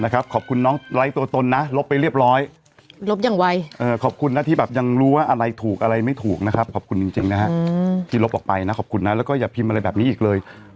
ขอบคุณน้องไร้ตัวตนนะลบไปเรียบร้อยลบอย่างไวขอบคุณนะที่แบบยังรู้ว่าอะไรถูกอะไรไม่ถูกนะครับขอบคุณจริงนะฮะที่ลบออกไปนะขอบคุณนะแล้วก็อย่าพิมพ์อะไรแบบนี้อีกเลย